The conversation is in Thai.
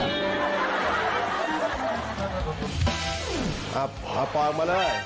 เอาปลอดมาเลย